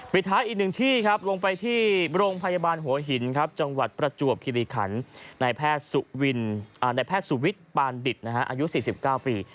ท้ายอีกหนึ่งที่ครับลงไปที่โรงพยาบาลหัวหินครับจังหวัดประจวบคิริขันนายแพทย์สุวิทย์ปานดิตอายุ๔๙ปี